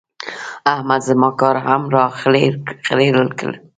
احمد زما کار هم را خرېړی کړ.